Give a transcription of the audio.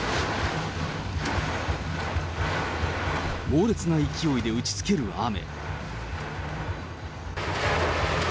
猛烈な勢いで打ちつける雨。